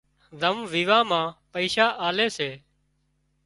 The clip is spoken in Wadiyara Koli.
زم ويوان مان پئيشا آلي سي